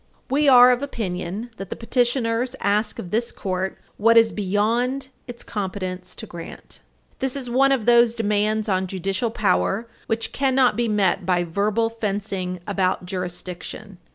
S. 262. We are of opinion that the appellants ask of this Court what is beyond its competence to grant. This is one of those demands on judicial power which cannot be met by verbal fencing about "jurisdiction."